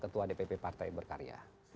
ketua dpp partai berkarya